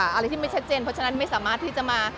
อะไรที่ไม่ชัดเจนเพราะฉะนั้นไม่สามารถที่จะมา